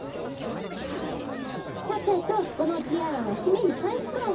さてとこのティアラは姫にかえすか。